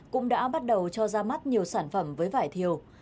cũng đã bắt đầu cho ra mắt nhiều sản phẩm với vải thiều